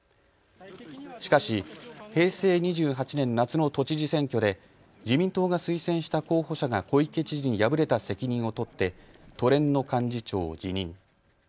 しかし、平成２８年夏の都知事選挙で自民党が推薦した候補者が小池知事に敗れた責任を取って都連の幹事長を辞任。